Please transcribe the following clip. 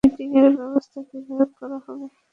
Meeting এর ব্যবস্থা কীভাবে করা হবে?